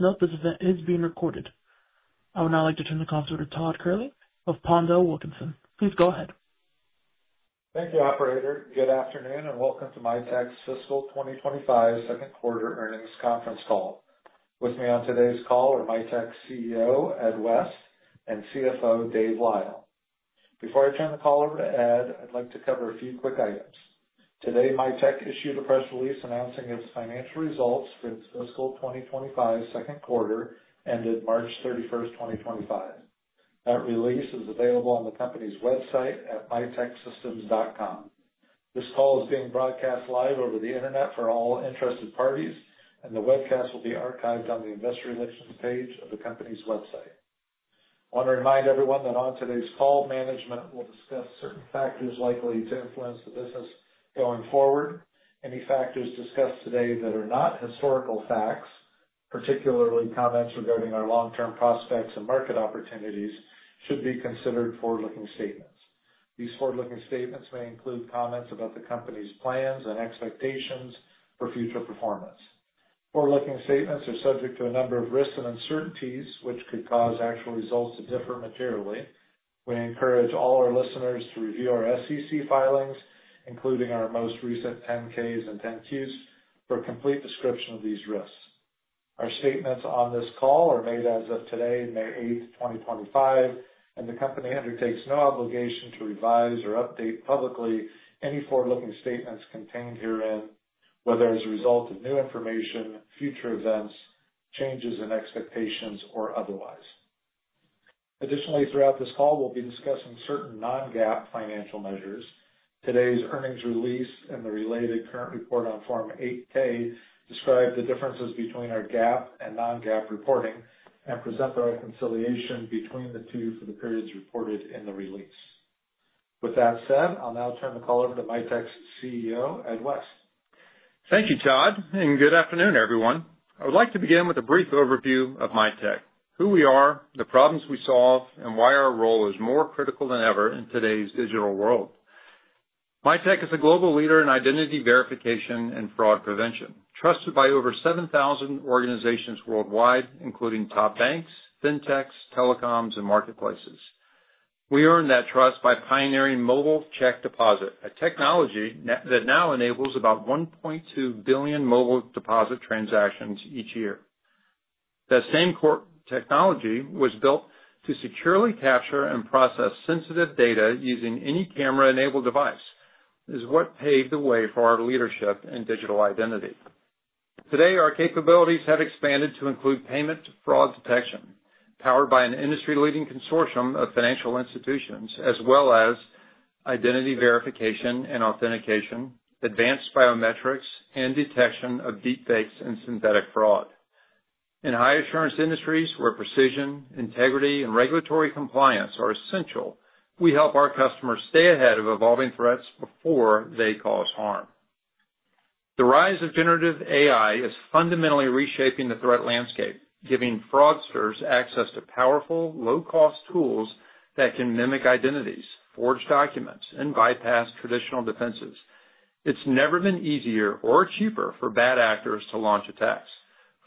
Note: This event is being recorded. I would now like to turn the call over to Todd Kehrli of PondelWilkinson. Please go ahead. Thank you, Operator. Good afternoon and welcome to Mitek's Fiscal 2025 second quarter earnings conference call. With me on today's call are Mitek's CEO, Ed West, and CFO, Dave Lyle. Before I turn the call over to Ed, I'd like to cover a few quick items. Today, Mitek issued a press release announcing its financial results for its Fiscal 2025 second quarter ended March 31, 2025. That release is available on the company's website at miteksystems.com. This call is being broadcast live over the internet for all interested parties, and the webcast will be archived on the investor relations page of the company's website. I want to remind everyone that on today's call, management will discuss certain factors likely to influence the business going forward. Any factors discussed today that are not historical facts, particularly comments regarding our long-term prospects and market opportunities, should be considered forward-looking statements. These forward-looking statements may include comments about the company's plans and expectations for future performance. Forward-looking statements are subject to a number of risks and uncertainties, which could cause actual results to differ materially. We encourage all our listeners to review our SEC filings, including our most recent 10-Ks and 10-Qs, for a complete description of these risks. Our statements on this call are made as of today, May 8th, 2025, and the company undertakes no obligation to revise or update publicly any forward-looking statements contained herein whether as a result of new information, future events, changes in expectations, or otherwise. Additionally, throughout this call, we'll be discussing certain non-GAAP financial measures. Today's earnings release and the related current report on Form 8-K describe the differences between our GAAP and non-GAAP reporting and present the reconciliation between the two for the periods reported in the release. With that said, I'll now turn the call over to Mitek's CEO, Ed West. Thank you, Todd, and good afternoon, everyone. I would like to begin with a brief overview of Mitek: who we are, the problems we solve, and why our role is more critical than ever in today's digital world. Mitek is a global leader in identity verification and fraud prevention, trusted by over 7,000 organizations worldwide, including top banks, fintechs, telecoms, and marketplaces. We earned that trust by pioneering mobile check deposit, a technology that now enables about 1.2 billion mobile deposit transactions each year. That same technology was built to securely capture and process sensitive data using any camera-enabled device. It is what paved the way for our leadership in digital identity. Today, our capabilities have expanded to include payment fraud detection, powered by an industry-leading consortium of financial institutions, as well as identity verification and authentication, advanced biometrics, and detection of deepfakes and synthetic fraud. In high-assurance industries where precision, integrity, and regulatory compliance are essential, we help our customers stay ahead of evolving threats before they cause harm. The rise of generative AI is fundamentally reshaping the threat landscape, giving fraudsters access to powerful, low-cost tools that can mimic identities, forge documents, and bypass traditional defenses. It's never been easier or cheaper for bad actors to launch attacks.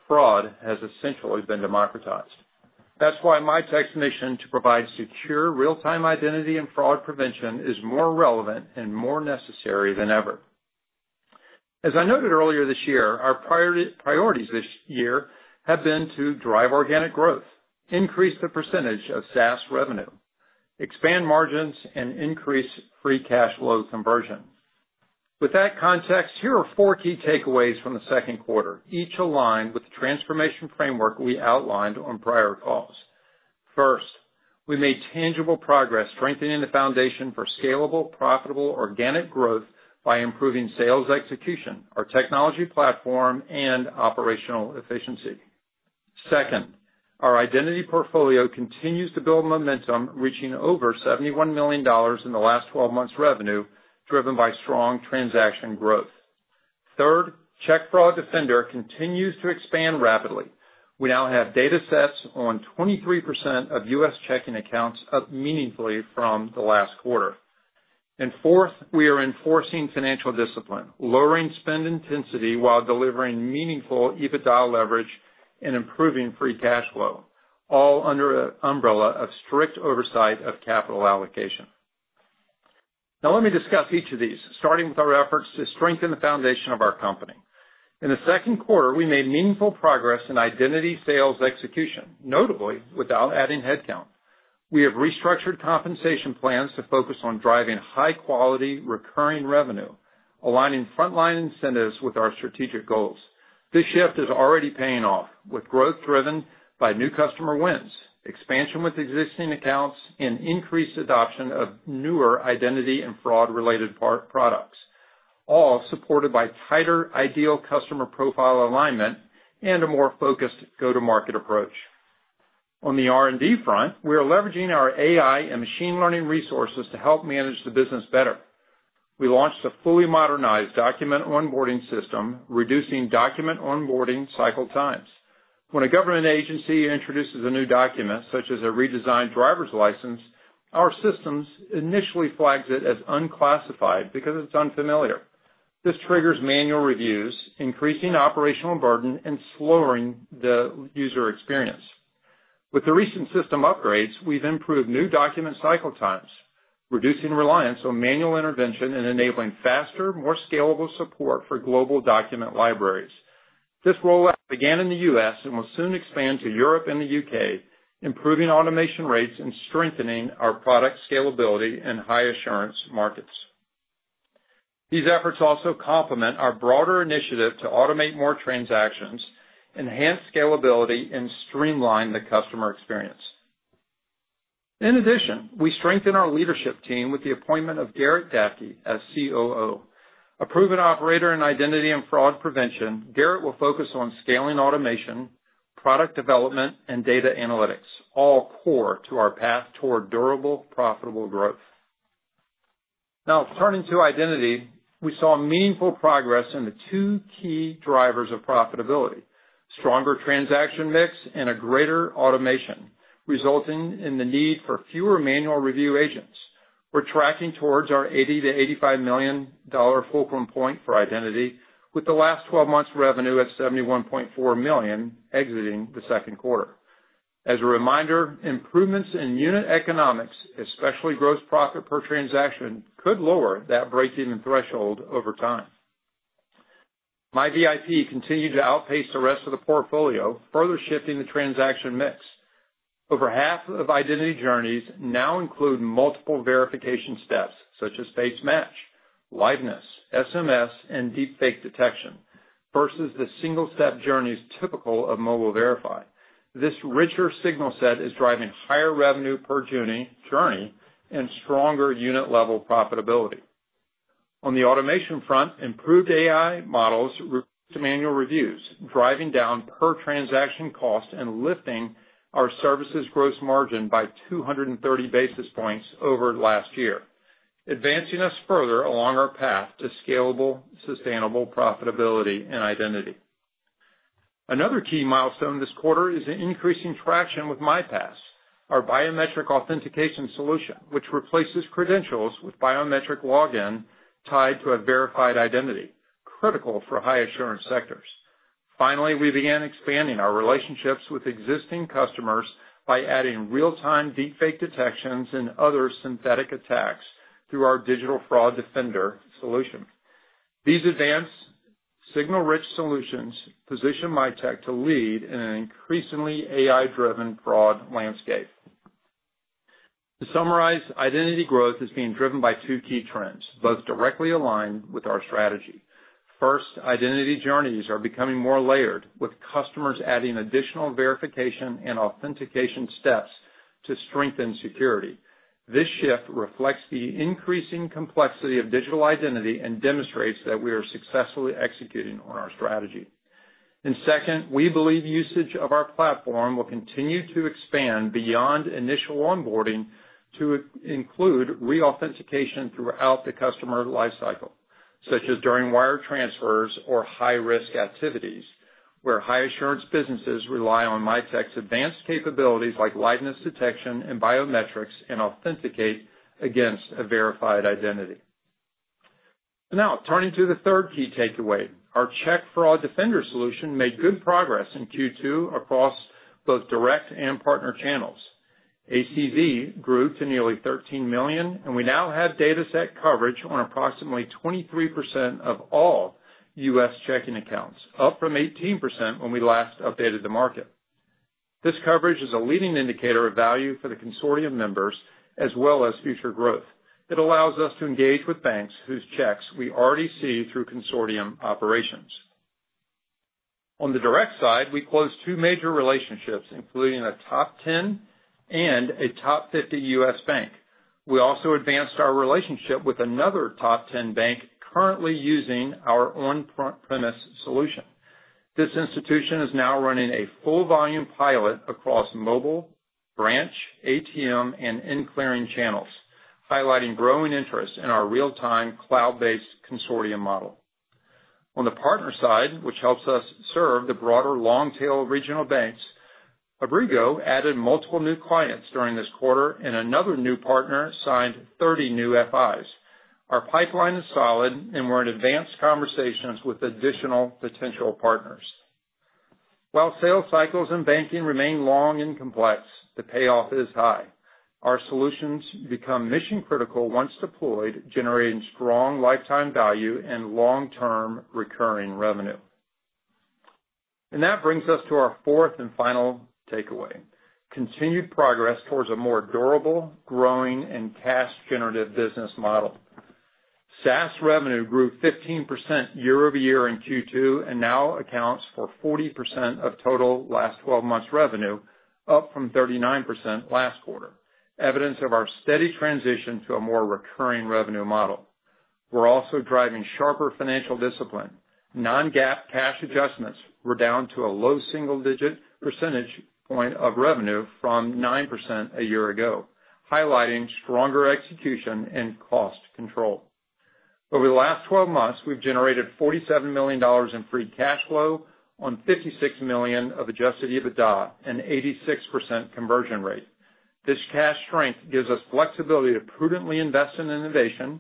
Fraud has essentially been democratized. That's why Mitek's mission to provide secure, real-time identity and fraud prevention is more relevant and more necessary than ever. As I noted earlier this year, our priorities this year have been to drive organic growth, increase the percentage of SaaS revenue, expand margins, and increase free cash flow conversion. With that context, here are four key takeaways from the second quarter, each aligned with the transformation framework we outlined on prior calls. First, we made tangible progress strengthening the foundation for scalable, profitable, organic growth by improving sales execution, our technology platform, and operational efficiency. Second, our identity portfolio continues to build momentum, reaching over $71 million in the last 12 months' revenue, driven by strong transaction growth. Third, Check Fraud Defender continues to expand rapidly. We now have data sets on 23% of U.S. checking accounts, up meaningfully from the last quarter. Fourth, we are enforcing financial discipline, lowering spend intensity while delivering meaningful EBITDA leverage and improving free cash flow, all under the umbrella of strict oversight of capital allocation. Now, let me discuss each of these, starting with our efforts to strengthen the foundation of our company. In the second quarter, we made meaningful progress in identity sales execution, notably without adding headcount. We have restructured compensation plans to focus on driving high-quality, recurring revenue, aligning frontline incentives with our strategic goals. This shift is already paying off, with growth driven by new customer wins, expansion with existing accounts, and increased adoption of newer identity and fraud-related products, all supported by tighter ideal customer profile alignment and a more focused go-to-market approach. On the R&D front, we are leveraging our AI and machine learning resources to help manage the business better. We launched a fully modernized document onboarding system, reducing document onboarding cycle times. When a government agency introduces a new document, such as a redesigned driver's license, our systems initially flag it as unclassified because it's unfamiliar. This triggers manual reviews, increasing operational burden and slowing the user experience. With the recent system upgrades, we've improved new document cycle times, reducing reliance on manual intervention and enabling faster, more scalable support for global document libraries. This rollout began in the U.S. and will soon expand to Europe and the U.K., improving automation rates and strengthening our product scalability in high-assurance markets. These efforts also complement our broader initiative to automate more transactions, enhance scalability, and streamline the customer experience. In addition, we strengthen our leadership team with the appointment of Garrett Gafke as COO. A proven operator in identity and fraud prevention, Garrett will focus on scaling automation, product development, and data analytics, all core to our path toward durable, profitable growth. Now, turning to identity, we saw meaningful progress in the two key drivers of profitability: stronger transaction mix and a greater automation, resulting in the need for fewer manual review agents. We're tracking towards our $80-$85 million fulcrum point for identity, with the last 12 months' revenue at $71.4 million exiting the second quarter. As a reminder, improvements in unit economics, especially gross profit per transaction, could lower that break-even threshold over time. MiVIP continued to outpace the rest of the portfolio, further shifting the transaction mix. Over half of identity journeys now include multiple verification steps, such as face match, liveness, SMS, and deepfake detection, versus the single-step journeys typical of Mobile Verify. This richer signal set is driving higher revenue per journey and stronger unit-level profitability. On the automation front, improved AI models reduce manual reviews, driving down per-transaction cost and lifting our services gross margin by 230 basis points over last year, advancing us further along our path to scalable, sustainable profitability in identity. Another key milestone this quarter is the increasing traction with MiPass, our biometric authentication solution, which replaces credentials with biometric login tied to a verified identity, critical for high-assurance sectors. Finally, we began expanding our relationships with existing customers by adding real-time deepfake detections and other synthetic attacks through our Digital Fraud Defender solution. These advanced, signal-rich solutions position Mitek to lead in an increasingly AI-driven fraud landscape. To summarize, identity growth is being driven by two key trends, both directly aligned with our strategy. First, identity journeys are becoming more layered, with customers adding additional verification and authentication steps to strengthen security. This shift reflects the increasing complexity of digital identity and demonstrates that we are successfully executing on our strategy. Second, we believe usage of our platform will continue to expand beyond initial onboarding to include reauthentication throughout the customer lifecycle, such as during wire transfers or high-risk activities, where high-assurance businesses rely on Mitek's advanced capabilities like liveness detection and biometrics and authenticate against a verified identity. Now, turning to the third key takeaway, our Check Fraud Defender solution made good progress in Q2 across both direct and partner channels. ACV grew to nearly $13 million, and we now have data set coverage on approximately 23% of all U.S. checking accounts, up from 18% when we last updated the market. This coverage is a leading indicator of value for the consortium members as well as future growth. It allows us to engage with banks whose checks we already see through consortium operations. On the direct side, we closed two major relationships, including a top 10 and a top 50 U.S. bank. We also advanced our relationship with another top 10 bank currently using our on-premise solution. This institution is now running a full-volume pilot across mobile, branch, ATM, and inquiring channels, highlighting growing interest in our real-time cloud-based consortium model. On the partner side, which helps us serve the broader long-tail regional banks, Abrigo added multiple new clients during this quarter, and another new partner signed 30 new FIs. Our pipeline is solid, and we're in advanced conversations with additional potential partners. While sales cycles in banking remain long and complex, the payoff is high. Our solutions become mission-critical once deployed, generating strong lifetime value and long-term recurring revenue. That brings us to our fourth and final takeaway: continued progress towards a more durable, growing, and cash-generative business model. SaaS revenue grew 15% year-over-year in Q2 and now accounts for 40% of total last 12 months' revenue, up from 39% last quarter, evidence of our steady transition to a more recurring revenue model. We're also driving sharper financial discipline. Non-GAAP cash adjustments were down to a low single-digit percentage point of revenue from 9% a year ago, highlighting stronger execution and cost control. Over the last 12 months, we've generated $47 million in free cash flow on $56 million of adjusted EBITDA and 86% conversion rate. This cash strength gives us flexibility to prudently invest in innovation,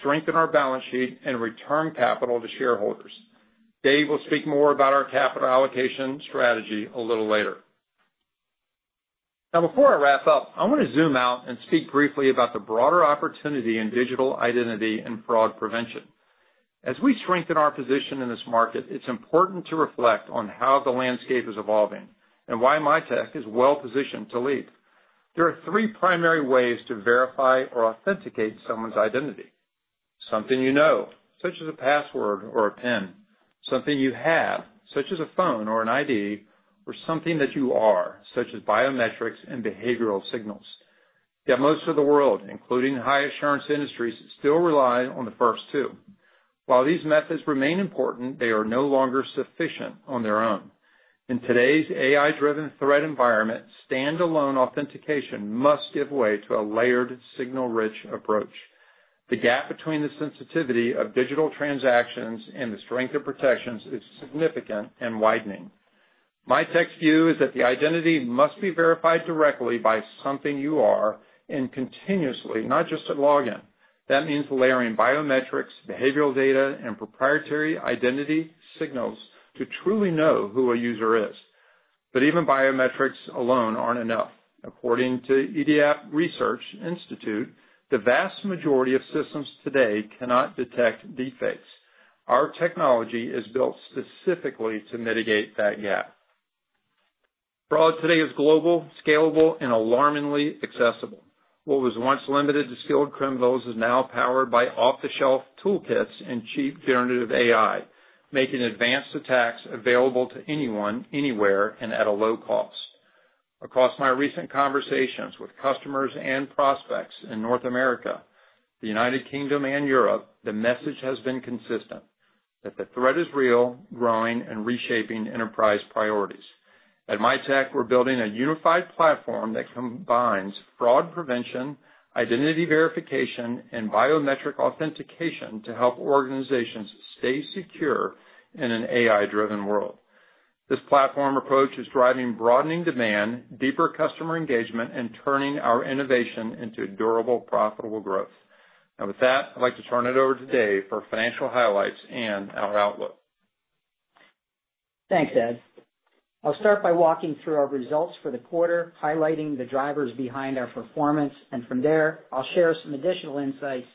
strengthen our balance sheet, and return capital to shareholders. Dave will speak more about our capital allocation strategy a little later. Now, before I wrap up, I want to zoom out and speak briefly about the broader opportunity in digital identity and fraud prevention. As we strengthen our position in this market, it's important to reflect on how the landscape is evolving and why Mitek is well-positioned to lead. There are three primary ways to verify or authenticate someone's identity: something you know, such as a password or a PIN; something you have, such as a phone or an ID; or something that you are, such as biometrics and behavioral signals. Yet most of the world, including high-assurance industries, still relies on the first two. While these methods remain important, they are no longer sufficient on their own. In today's AI-driven threat environment, standalone authentication must give way to a layered, signal-rich approach. The gap between the sensitivity of digital transactions and the strength of protections is significant and widening. Mitek's view is that the identity must be verified directly by something you are and continuously, not just at login. That means layering biometrics, behavioral data, and proprietary identity signals to truly know who a user is. Even biometrics alone aren't enough. According to Idiap Research Institute, the vast majority of systems today cannot detect deepfakes. Our technology is built specifically to mitigate that gap. Fraud today is global, scalable, and alarmingly accessible. What was once limited to skilled criminals is now powered by off-the-shelf toolkits and cheap generative AI, making advanced attacks available to anyone, anywhere, and at a low cost. Across my recent conversations with customers and prospects in North America, the U.K., and Europe, the message has been consistent: that the threat is real, growing, and reshaping enterprise priorities. At Mitek, we're building a unified platform that combines fraud prevention, identity verification, and biometric authentication to help organizations stay secure in an AI-driven world. This platform approach is driving broadening demand, deeper customer engagement, and turning our innovation into durable, profitable growth. With that, I'd like to turn it over to Dave for financial highlights and our outlook. Thanks, Ed. I'll start by walking through our results for the quarter, highlighting the drivers behind our performance. From there, I'll share some additional insights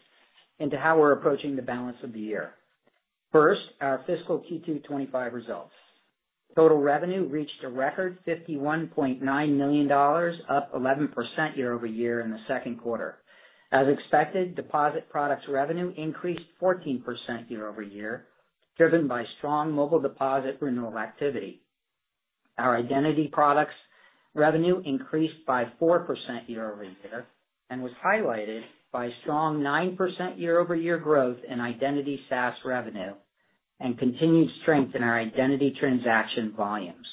into how we're approaching the balance of the year. First, our fiscal Q2 2025 results. Total revenue reached a record $51.9 million, up 11% year-over-year in the second quarter. As expected, deposit products revenue increased 14% year-over-year, driven by strong Mobile Deposit renewal activity. Our identity products revenue increased by 4% year over year and was highlighted by strong 9% year-over-year growth in identity SaaS revenue and continued strength in our identity transaction volumes.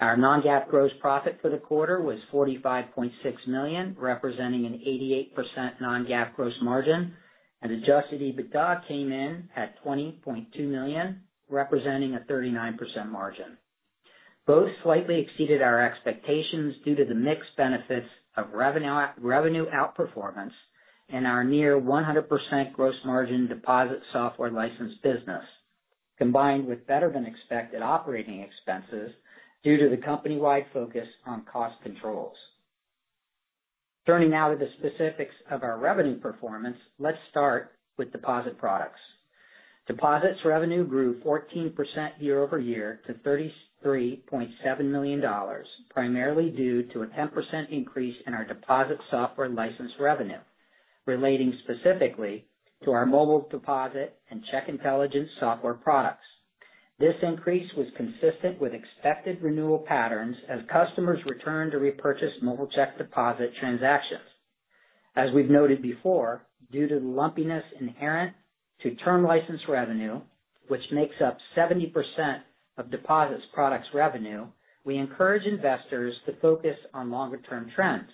Our non-GAAP gross profit for the quarter was $45.6 million, representing an 88% non-GAAP gross margin, and adjusted EBITDA came in at $20.2 million, representing a 39% margin. Both slightly exceeded our expectations due to the mixed benefits of revenue outperformance and our near 100% gross margin deposit software license business, combined with better-than-expected operating expenses due to the company-wide focus on cost controls. Turning now to the specifics of our revenue performance, let's start with deposit products. Deposits revenue grew 14% year-over-year to $33.7 million, primarily due to a 10% increase in our deposit software license revenue, relating specifically to our Mobile Deposit and Check Intelligence software products. This increase was consistent with expected renewal patterns as customers returned to repurchase Mobile Check Deposit transactions. As we've noted before, due to the lumpiness inherent to term license revenue, which makes up 70% of deposits products revenue, we encourage investors to focus on longer-term trends.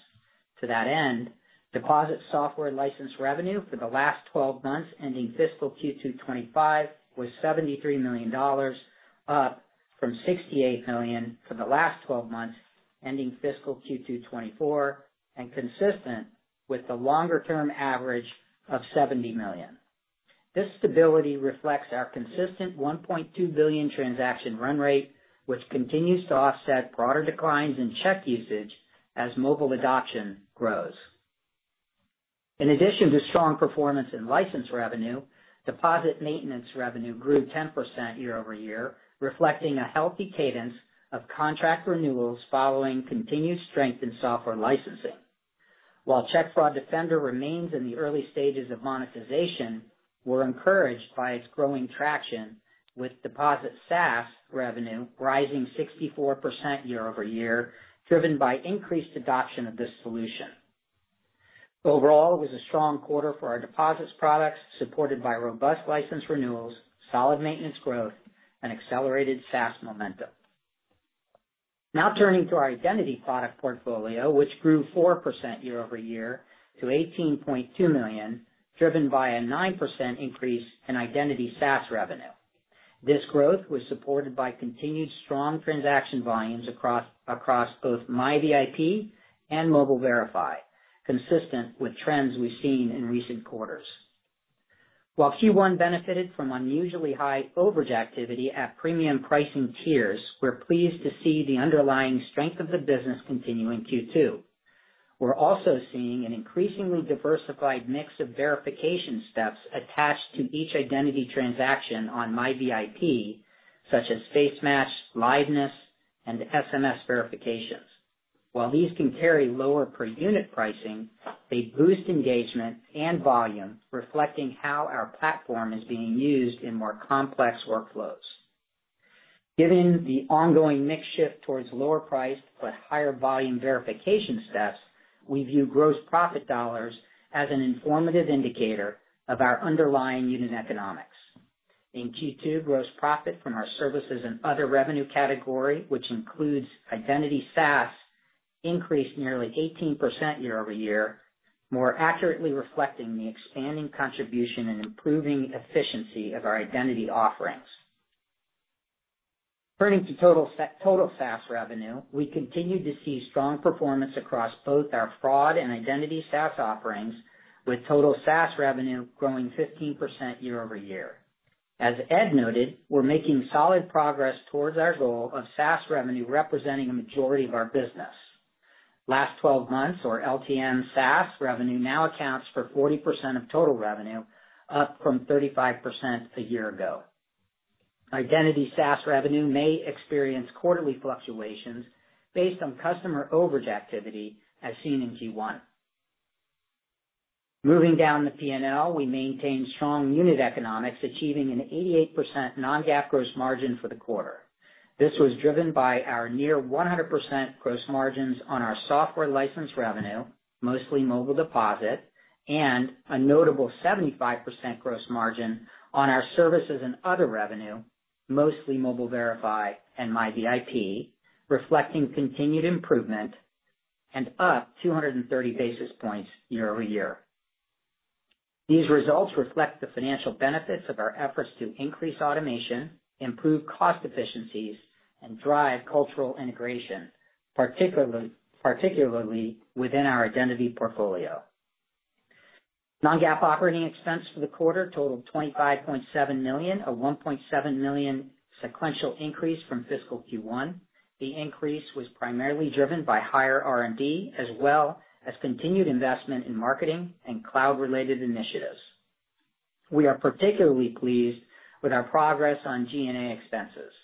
To that end, deposit software license revenue for the last 12 months ending fiscal Q2 2025 was $73 million, up from $68 million for the last 12 months ending fiscal Q2 2024, and consistent with the longer-term average of $70 million. This stability reflects our consistent 1.2 billion transaction run rate, which continues to offset broader declines in check usage as mobile adoption grows. In addition to strong performance in license revenue, deposit maintenance revenue grew 10% year-over-year, reflecting a healthy cadence of contract renewals following continued strength in software licensing. While Check Fraud Defender remains in the early stages of monetization, we're encouraged by its growing traction with deposit SaaS revenue rising 64% year-over-year, driven by increased adoption of this solution. Overall, it was a strong quarter for our deposits products, supported by robust license renewals, solid maintenance growth, and accelerated SaaS momentum. Now turning to our identity product portfolio, which grew 4% year-over-year to $18.2 million, driven by a 9% increase in identity SaaS revenue. This growth was supported by continued strong transaction volumes across both MiVIP and Mobile Verify, consistent with trends we've seen in recent quarters. While Q1 benefited from unusually high overage activity at premium pricing tiers, we're pleased to see the underlying strength of the business continuing Q2. We're also seeing an increasingly diversified mix of verification steps attached to each identity transaction on MiVIP, such as face match, liveness, and SMS verifications. While these can carry lower per unit pricing, they boost engagement and volume, reflecting how our platform is being used in more complex workflows. Given the ongoing mixed shift towards lower-priced but higher volume verification steps, we view gross profit dollars as an informative indicator of our underlying unit economics. In Q2, gross profit from our services and other revenue category, which includes identity SaaS, increased nearly 18% year-over-year, more accurately reflecting the expanding contribution and improving efficiency of our identity offerings. Turning to total SaaS revenue, we continue to see strong performance across both our fraud and identity SaaS offerings, with total SaaS revenue growing 15% year-over-year. As Ed noted, we're making solid progress towards our goal of SaaS revenue representing a majority of our business. Last 12 months, or LTM SaaS revenue, now accounts for 40% of total revenue, up from 35% a year ago. Identity SaaS revenue may experience quarterly fluctuations based on customer overage activity as seen in Q1. Moving down the P&L, we maintain strong unit economics, achieving an 88% non-GAAP gross margin for the quarter. This was driven by our near 100% gross margins on our software license revenue, mostly Mobile Deposit, and a notable 75% gross margin on our services and other revenue, mostly Mobile Verify and MiVIP, reflecting continued improvement and up 230 basis points year-over-year. These results reflect the financial benefits of our efforts to increase automation, improve cost efficiencies, and drive cultural integration, particularly within our identity portfolio. Non-GAAP operating expense for the quarter totaled $25.7 million, a $1.7 million sequential increase from fiscal Q1. The increase was primarily driven by higher R&D, as well as continued investment in marketing and cloud-related initiatives. We are particularly pleased with our progress on G&A expenses.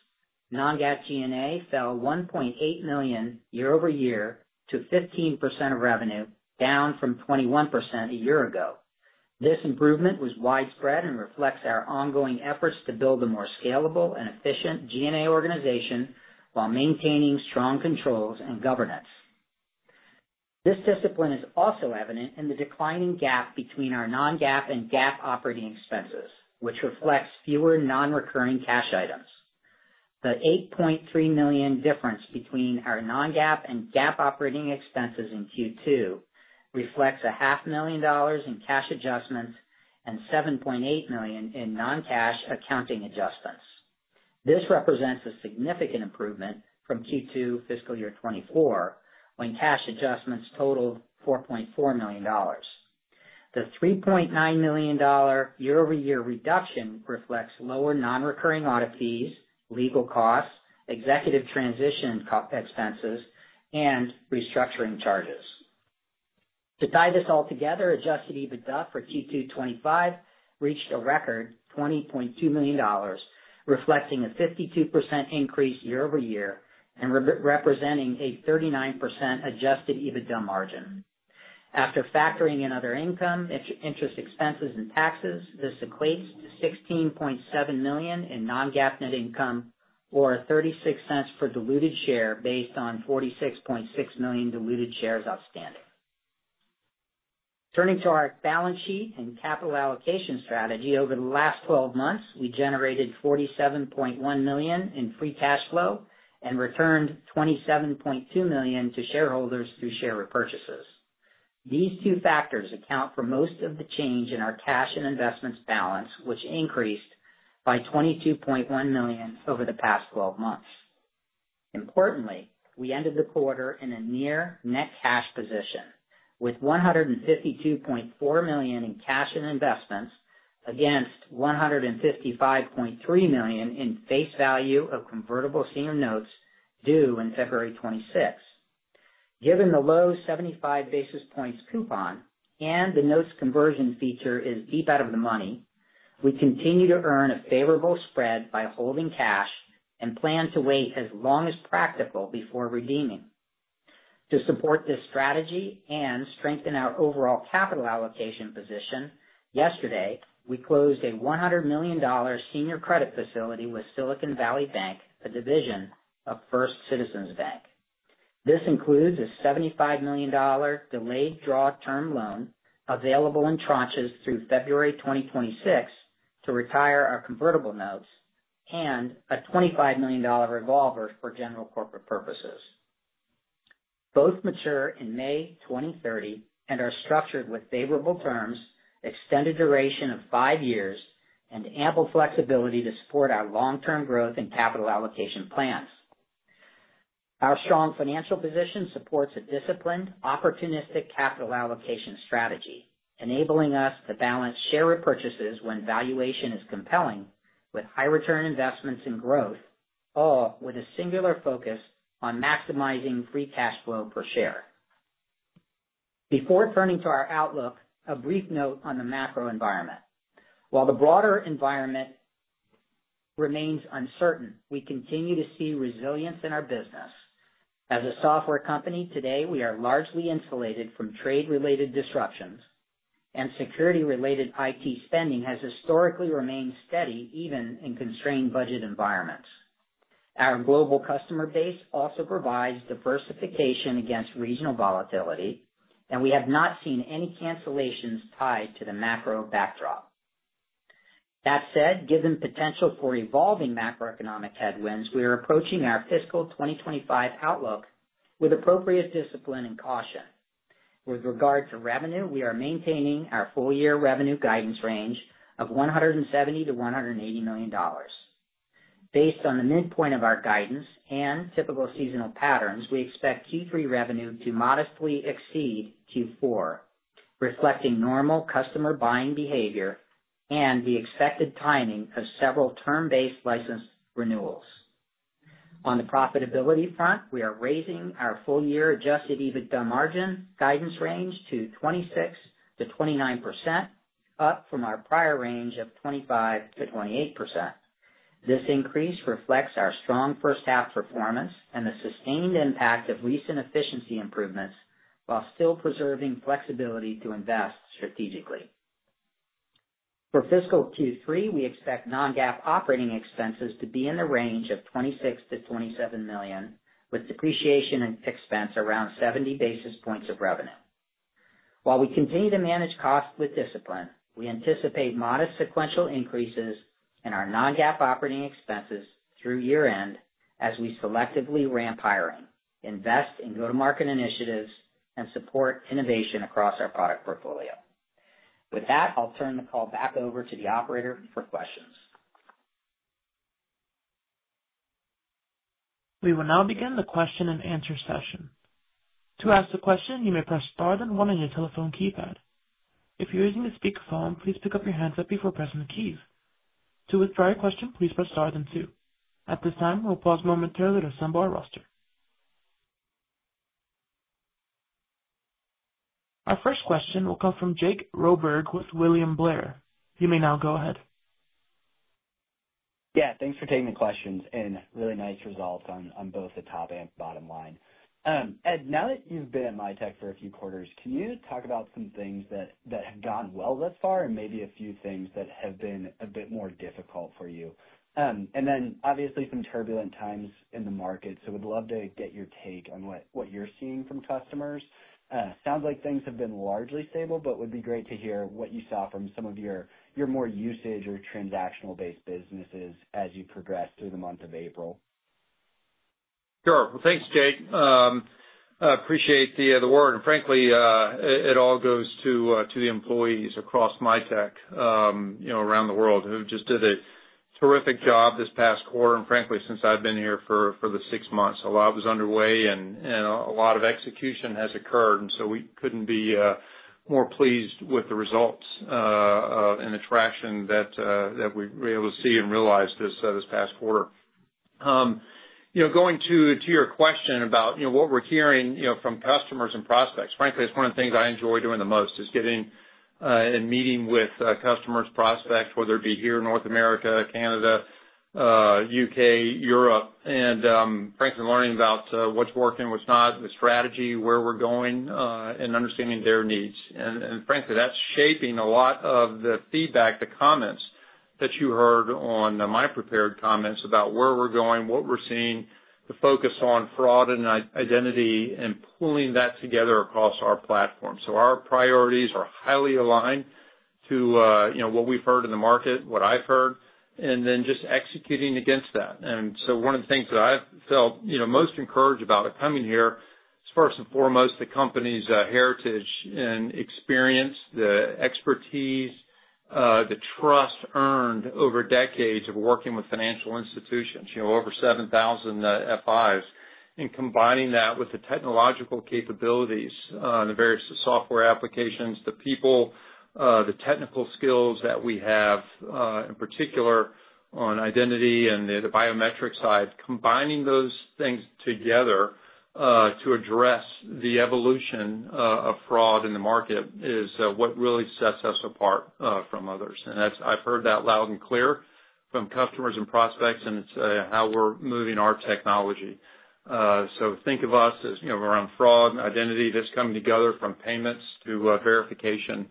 Non-GAAP G&A fell $1.8 million year-over-year to 15% of revenue, down from 21% a year ago. This improvement was widespread and reflects our ongoing efforts to build a more scalable and efficient G&A organization while maintaining strong controls and governance. This discipline is also evident in the declining gap between our non-GAAP and GAAP operating expenses, which reflects fewer non-recurring cash items. The $8.3 million difference between our non-GAAP and GAAP operating expenses in Q2 reflects $500,000 in cash adjustments and $7.8 million in non-cash accounting adjustments. This represents a significant improvement from Q2 fiscal year 2024, when cash adjustments totaled $4.4 million. The $3.9 million year-over-year reduction reflects lower non-recurring audit fees, legal costs, executive transition expenses, and restructuring charges. To tie this all together, adjusted EBITDA for Q2 2025 reached a record $20.2 million, reflecting a 52% increase year-over-year and representing a 39% adjusted EBITDA margin. After factoring in other income, interest expenses, and taxes, this equates to $16.7 million in non-GAAP net income, or $0.36 per diluted share based on 46.6 million diluted shares outstanding. Turning to our balance sheet and capital allocation strategy, over the last 12 months, we generated $47.1 million in free cash flow and returned $27.2 million to shareholders through share repurchases. These two factors account for most of the change in our cash and investments balance, which increased by $22.1 million over the past 12 months. Importantly, we ended the quarter in a near net cash position, with $152.4 million in cash and investments against $155.3 million in face value of convertible senior notes due in February 2026. Given the low 75 basis points coupon and the notes conversion feature is deep out of the money, we continue to earn a favorable spread by holding cash and plan to wait as long as practical before redeeming. To support this strategy and strengthen our overall capital allocation position, yesterday, we closed a $100 million senior credit facility with Silicon Valley Bank, a division of First Citizens Bank. This includes a $75 million delayed draw term loan available in tranches through February 2026 to retire our convertible notes and a $25 million revolver for general corporate purposes. Both mature in May 2030 and are structured with favorable terms, extended duration of five years, and ample flexibility to support our long-term growth and capital allocation plans. Our strong financial position supports a disciplined, opportunistic capital allocation strategy, enabling us to balance share repurchases when valuation is compelling with high-return investments and growth, all with a singular focus on maximizing free cash flow per share. Before turning to our outlook, a brief note on the macro environment. While the broader environment remains uncertain, we continue to see resilience in our business. As a software company today, we are largely insulated from trade-related disruptions, and security-related IT spending has historically remained steady even in constrained budget environments. Our global customer base also provides diversification against regional volatility, and we have not seen any cancellations tied to the macro backdrop. That said, given potential for evolving macroeconomic headwinds, we are approaching our fiscal 2025 outlook with appropriate discipline and caution. With regard to revenue, we are maintaining our full-year revenue guidance range of $170-$180 million. Based on the midpoint of our guidance and typical seasonal patterns, we expect Q3 revenue to modestly exceed Q4, reflecting normal customer buying behavior and the expected timing of several term-based license renewals. On the profitability front, we are raising our full-year adjusted EBITDA margin guidance range to 26%-29%, up from our prior range of 25%-28%. This increase reflects our strong first-half performance and the sustained impact of recent efficiency improvements while still preserving flexibility to invest strategically. For fiscal Q3, we expect non-GAAP operating expenses to be in the range of $26-$27 million, with depreciation expense around 70 basis points of revenue. While we continue to manage costs with discipline, we anticipate modest sequential increases in our non-GAAP operating expenses through year-end as we selectively ramp hiring, invest in go-to-market initiatives, and support innovation across our product portfolio. With that, I'll turn the call back over to the operator for questions. We will now begin the question-and-answer session. To ask a question, you may press Star then one on your telephone keypad. If you're using a speakerphone, please pick up your handset before pressing the keys. To withdraw your question, please press Star then two. At this time, we'll pause momentarily to assemble our roster. Our first question will come from Jake Roberge with William Blair. You may now go ahead. Yeah, thanks for taking the questions and really nice results on both the top and bottom line. Ed, now that you've been at Mitek for a few quarters, can you talk about some things that have gone well thus far and maybe a few things that have been a bit more difficult for you? Obviously, some turbulent times in the market, so we'd love to get your take on what you're seeing from customers. Sounds like things have been largely stable, but it would be great to hear what you saw from some of your more usage or transactional-based businesses as you progressed through the month of April. Sure. Thanks, Jake. I appreciate the word. Frankly, it all goes to the employees across Mitek around the world who just did a terrific job this past quarter and, frankly, since I've been here for the six months. A lot was underway and a lot of execution has occurred, and we couldn't be more pleased with the results and the traction that we were able to see and realize this past quarter. Going to your question about what we're hearing from customers and prospects, frankly, it's one of the things I enjoy doing the most is getting and meeting with customers, prospects, whether it be here in North America, Canada, U.K., Europe, and, frankly, learning about what's working, what's not, the strategy, where we're going, and understanding their needs. Frankly, that's shaping a lot of the feedback, the comments that you heard on my prepared comments about where we're going, what we're seeing, the focus on fraud and identity and pulling that together across our platform. Our priorities are highly aligned to what we've heard in the market, what I've heard, and then just executing against that. One of the things that I've felt most encouraged about coming here is first and foremost the company's heritage and experience, the expertise, the trust earned over decades of working with financial institutions, over 7,000 FIs. Combining that with the technological capabilities, the various software applications, the people, the technical skills that we have, in particular on identity and the biometric side, combining those things together to address the evolution of fraud in the market is what really sets us apart from others. I've heard that loud and clear from customers and prospects, and it's how we're moving our technology. Think of us as around fraud and identity that's coming together from payments to verification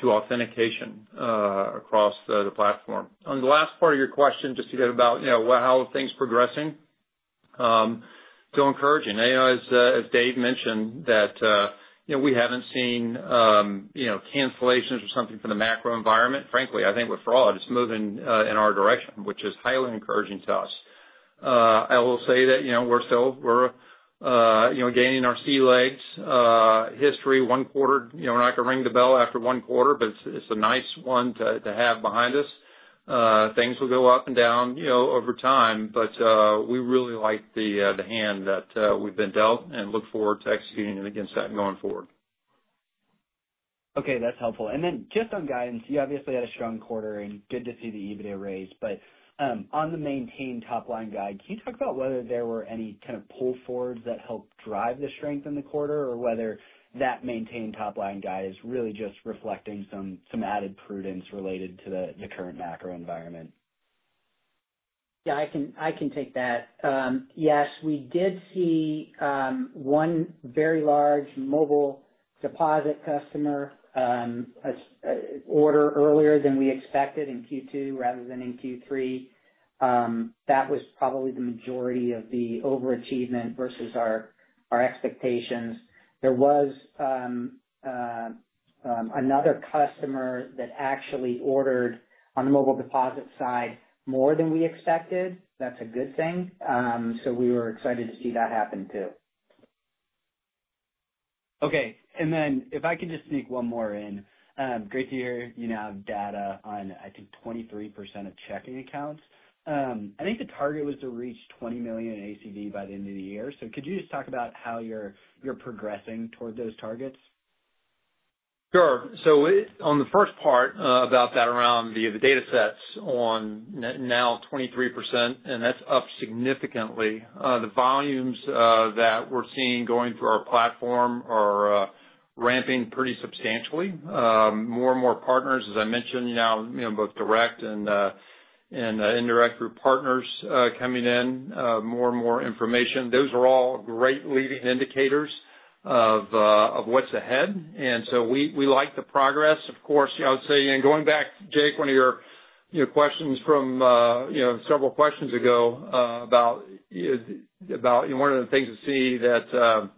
to authentication across the platform. On the last part of your question, just to get about how are things progressing, still encouraging. As Dave mentioned, we haven't seen cancellations or something from the macro environment. Frankly, I think with fraud, it's moving in our direction, which is highly encouraging to us. I will say that we're still gaining our sea legs. History, one quarter, we're not going to ring the bell after one quarter, but it's a nice one to have behind us. Things will go up and down over time, but we really like the hand that we've been dealt and look forward to executing against that going forward. Okay, that's helpful. Then just on guidance, you obviously had a strong quarter and good to see the EBITDA raised, but on the maintained top line guide, can you talk about whether there were any kind of pull forwards that helped drive the strength in the quarter or whether that maintained top line guide is really just reflecting some added prudence related to the current macro environment? Yeah, I can take that. Yes, we did see one very large Mobile Deposit customer order earlier than we expected in Q2 rather than in Q3. That was probably the majority of the overachievement versus our expectations. There was another customer that actually ordered on the Mobile Deposit side more than we expected. That's a good thing. We were excited to see that happen too. Okay. If I can just sneak one more in, great to hear you now have data on, I think, 23% of checking accounts. I think the target was to reach $20 million ACV by the end of the year. Could you just talk about how you're progressing toward those targets? Sure. On the first part about that around the data sets on now 23%, and that's up significantly. The volumes that we're seeing going through our platform are ramping pretty substantially. More and more partners, as I mentioned, now both direct and indirect through partners coming in, more and more information. Those are all great leading indicators of what's ahead. We like the progress. Of course, I would say, and going back, Jake, one of your questions from several questions ago about one of the things to see that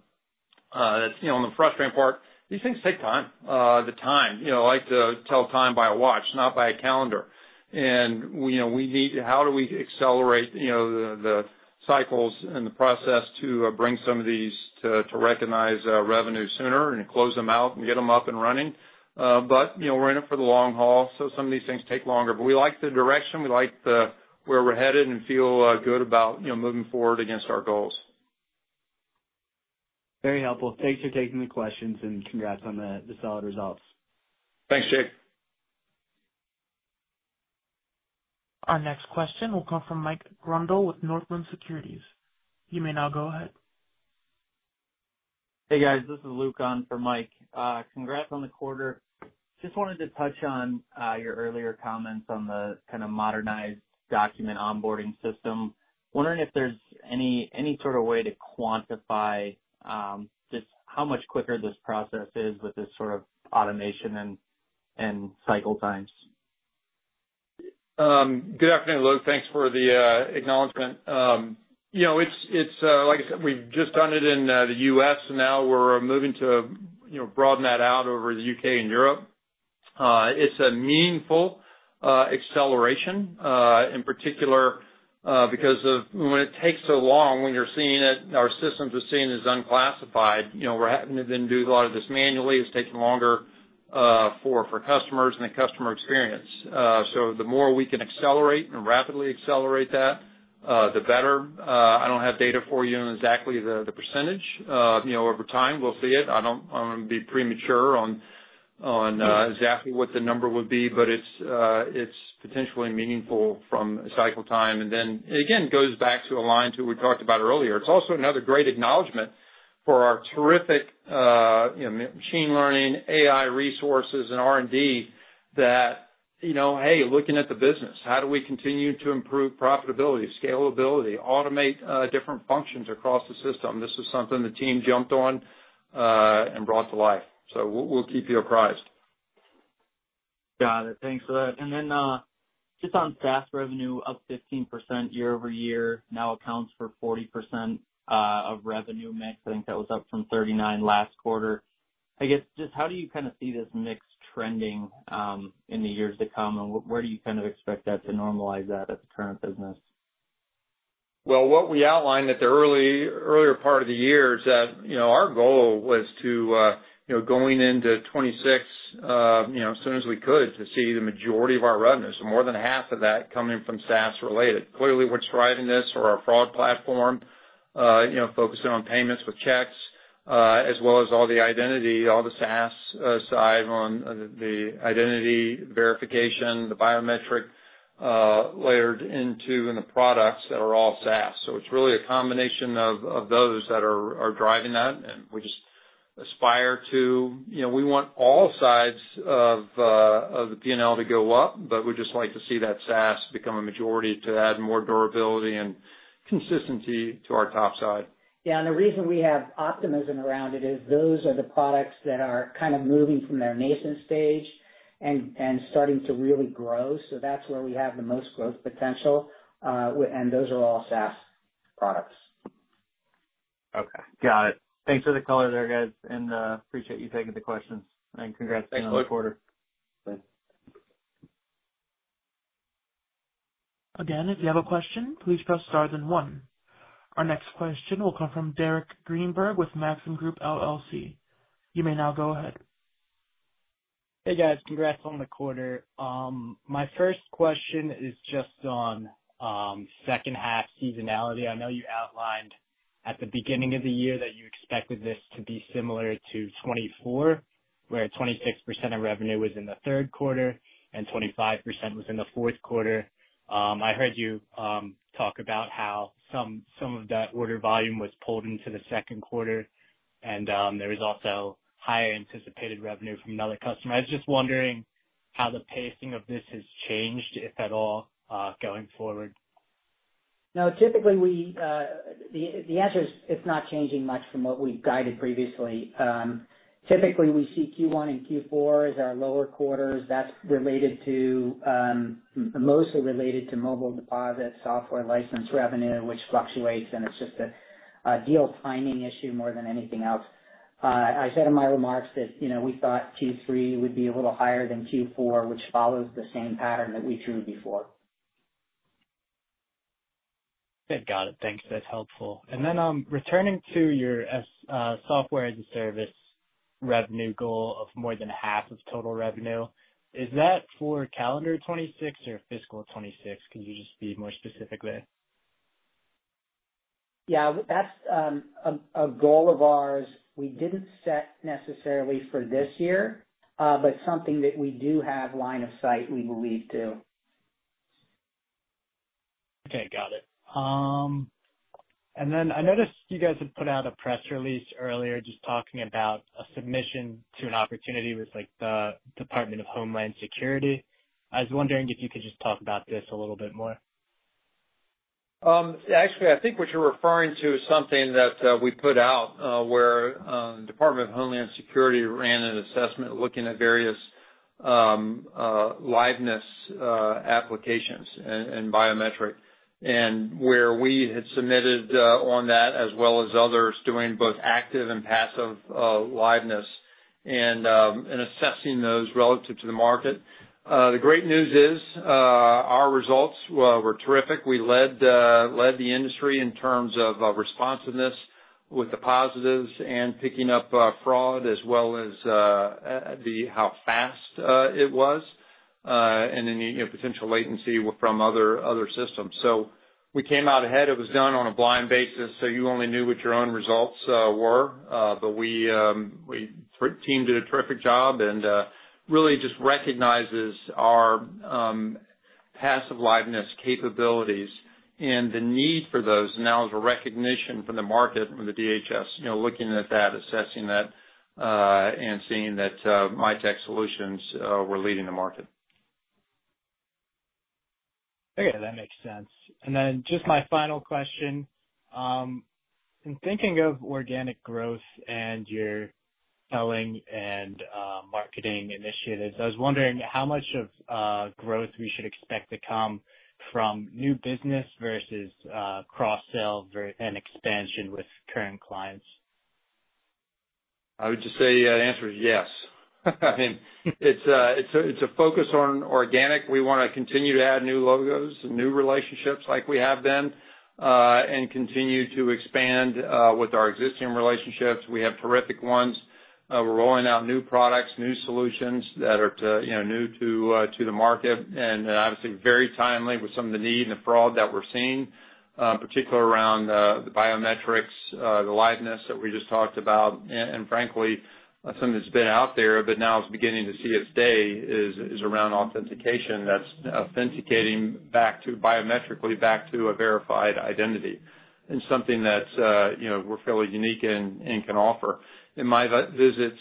on the frustrating part, these things take time. The time. I like to tell time by a watch, not by a calendar. We need to, how do we accelerate the cycles and the process to bring some of these to recognize revenue sooner and close them out and get them up and running? We're in it for the long haul, so some of these things take longer. We like the direction. We like where we're headed and feel good about moving forward against our goals. Very helpful. Thanks for taking the questions and congrats on the solid results. Thanks, Jake. Our next question will come from Mike Grondahl with Northland Securities. You may now go ahead. Hey, guys. This is Luke on for Mike. Congrats on the quarter. Just wanted to touch on your earlier comments on the kind of modernized document onboarding system. Wondering if there's any sort of way to quantify just how much quicker this process is with this sort of automation and cycle times. Good afternoon, Luke. Thanks for the acknowledgment. It's, like I said, we've just done it in the U.S., and now we're moving to broaden that out over the U.K. and Europe. It's a meaningful acceleration, in particular, because of when it takes so long, when you're seeing it, our systems are seen as unclassified. We're having to then do a lot of this manually. It's taking longer for customers and the customer experience. The more we can accelerate and rapidly accelerate that, the better. I don't have data for you on exactly the percentage. Over time, we'll see it. I'm going to be premature on exactly what the number would be, but it's potentially meaningful from a cycle time. It goes back to align to what we talked about earlier. It's also another great acknowledgment for our terrific machine learning, AI resources, and R&D that, hey, looking at the business, how do we continue to improve profitability, scalability, automate different functions across the system? This is something the team jumped on and brought to life. We'll keep you apprised. Got it. Thanks for that. Just on SaaS revenue, up 15% year over year, now accounts for 40% of revenue mix. I think that was up from 39% last quarter. I guess just how do you kind of see this mix trending in the years to come, and where do you kind of expect that to normalize at the current business? What we outlined at the earlier part of the year is that our goal was to, going into 2026, as soon as we could, to see the majority of our revenue, so more than half of that coming from SaaS related. Clearly, what's driving this are our fraud platform, focusing on payments with checks, as well as all the identity, all the SaaS side on the identity verification, the biometric layered into the products that are all SaaS. It is really a combination of those that are driving that, and we just aspire to we want all sides of the P&L to go up, but we'd just like to see that SaaS become a majority to add more durability and consistency to our top side. Yeah. The reason we have optimism around it is those are the products that are kind of moving from their nascent stage and starting to really grow. That is where we have the most growth potential, and those are all SaaS products. Okay. Got it. Thanks for the color there, guys. I appreciate you taking the questions. Congrats on the quarter. Thanks, Luke. Bye. Again, if you have a question, please press Star then one. Our next question will come from Derek Greenberg with Maxim Group LLC. You may now go ahead. Hey, guys. Congrats on the quarter. My first question is just on second half seasonality. I know you outlined at the beginning of the year that you expected this to be similar to 2024, where 26% of revenue was in the third quarter and 25% was in the fourth quarter. I heard you talk about how some of that order volume was pulled into the second quarter, and there was also higher anticipated revenue from another customer. I was just wondering how the pacing of this has changed, if at all, going forward. No, typically, the answer is it's not changing much from what we've guided previously. Typically, we see Q1 and Q4 as our lower quarters. That's related to mostly related to Mobile Deposit software license revenue, which fluctuates, and it's just a deal timing issue more than anything else. I said in my remarks that we thought Q3 would be a little higher than Q4, which follows the same pattern that we drew before. Good. Got it. Thanks. That's helpful. Returning to your software as a service revenue goal of more than half of total revenue, is that for calendar 2026 or fiscal 2026? Could you just be more specific there? Yeah. That's a goal of ours. We didn't set necessarily for this year, but something that we do have line of sight, we believe, too. Okay. Got it. I noticed you guys had put out a press release earlier just talking about a submission to an opportunity with the Department of Homeland Security. I was wondering if you could just talk about this a little bit more. Actually, I think what you're referring to is something that we put out where the Department of Homeland Security ran an assessment looking at various liveness applications and biometric. Where we had submitted on that as well as others doing both active and passive liveness and assessing those relative to the market. The great news is our results were terrific. We led the industry in terms of responsiveness with the positives and picking up fraud as well as how fast it was and any potential latency from other systems. We came out ahead. It was done on a blind basis, so you only knew what your own results were. We teamed did a terrific job and really just recognizes our passive liveness capabilities and the need for those. That was a recognition from the market, from the DHS, looking at that, assessing that, and seeing that Mitek Solutions were leading the market. Okay. That makes sense. And then just my final question. In thinking of organic growth and your selling and marketing initiatives, I was wondering how much of growth we should expect to come from new business versus cross-sell and expansion with current clients? I would just say the answer is yes. I mean, it's a focus on organic. We want to continue to add new logos and new relationships like we have been and continue to expand with our existing relationships. We have terrific ones. We're rolling out new products, new solutions that are new to the market and obviously very timely with some of the need and the fraud that we're seeing, particularly around the biometrics, the liveness that we just talked about. Frankly, some of it's been out there, but now it's beginning to see its day is around authentication. That's authenticating back to biometrically back to a verified identity and something that we're fairly unique in and can offer. In my visits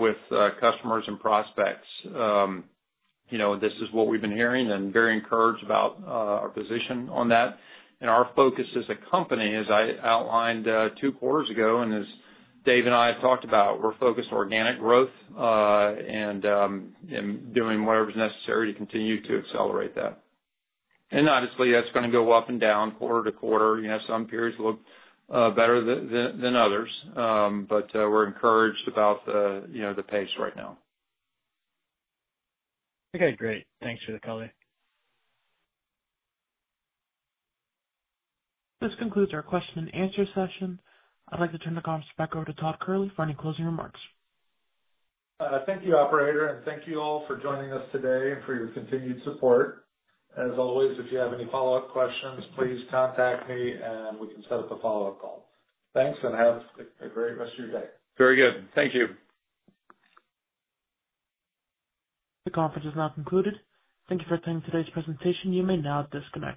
with customers and prospects, this is what we've been hearing and very encouraged about our position on that. Our focus as a company, as I outlined two quarters ago and as Dave and I have talked about, we're focused on organic growth and doing whatever's necessary to continue to accelerate that. Obviously, that's going to go up and down quarter to quarter. Some periods look better than others, but we're encouraged about the pace right now. Okay. Great. Thanks for the color. This concludes our question-and-answer session. I'd like to turn the conference back over to Todd Kehrli for any closing remarks. Thank you, operator. Thank you all for joining us today and for your continued support. As always, if you have any follow-up questions, please contact me and we can set up a follow-up call. Thanks and have a great rest of your day. Very good. Thank you. The conference is now concluded. Thank you for attending today's presentation. You may now disconnect.